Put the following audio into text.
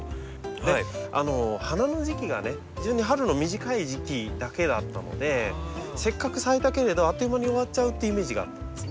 であの花の時期がね非常に春の短い時期だけだったのでせっかく咲いたけれどあっという間に終わっちゃうっていうイメージがあったんですね。